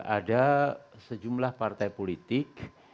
ada sejumlah partai politik